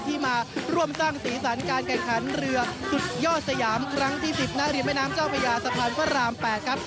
ที่มาร่วมสร้างสีสันการแข่งขันเรือสุดยอดสยามครั้งที่๑๐ณริมแม่น้ำเจ้าพญาสะพานพระราม๘ครับ